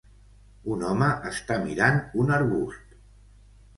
Un homes està mirant un arbust.